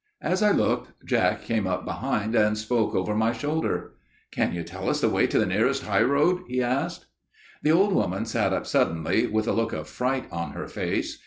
As I looked Jack came up behind and spoke over my shoulder. "'Can you tell us the way to the nearest high road?' he asked. "The old woman sat up suddenly, with a look of fright on her face.